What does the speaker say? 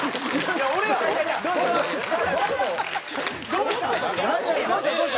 どうした？